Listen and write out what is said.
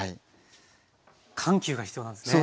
緩急が必要なんですね。